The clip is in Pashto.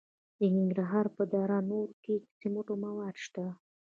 د ننګرهار په دره نور کې د سمنټو مواد شته.